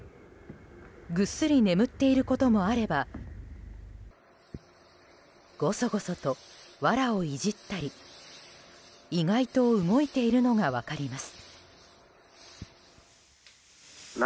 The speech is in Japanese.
ぐっすり眠っていることもあればごそごそと、わらをいじったり意外と動いているのが分かります。